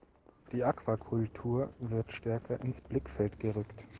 Die Aquakultur wird stärker ins Blickfeld gerückt.